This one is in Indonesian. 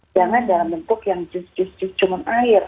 jangan dalam bentuk yang jus jus cuman air